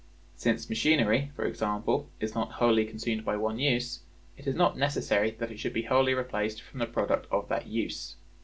Since machinery, for example, is not wholly consumed by one use, it is not necessary that it should be wholly replaced from the product of that use.